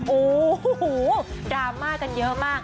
โอ้โหดราม่ากันเยอะมาก